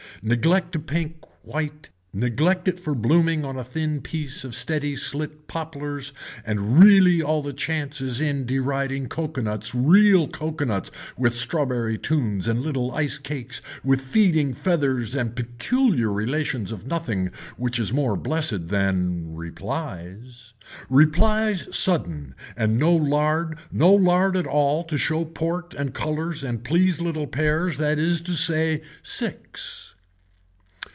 Neglect a pink white neglect it for blooming on a thin piece of steady slit poplars and really all the chance is in deriding cocoanuts real cocoanuts with strawberry tunes and little ice cakes with feeding feathers and peculiar relations of nothing which is more blessed than replies. Replies sudden and no lard no lard at all to show port and colors and please little pears that is to say six.